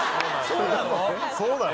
そうなの？